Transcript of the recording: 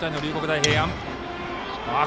大平安。